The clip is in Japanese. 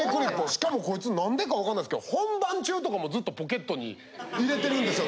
しかもこいつなんでか分かんないっすけど本番中とかもずっとポケットに入れてるんですよ